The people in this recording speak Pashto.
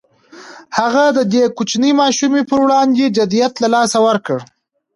هغه د دې کوچنۍ ماشومې پر وړاندې جديت له لاسه ورکړ.